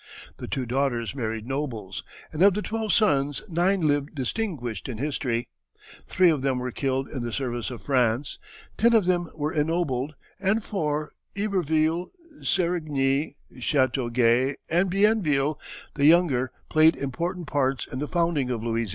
The two daughters married nobles, and of the twelve sons nine live distinguished in history, three of them were killed in the service of France, ten of them were ennobled, and four, Iberville, Serigny, Chateauguay, and Bienville the younger, played important parts in the founding of Louisiana.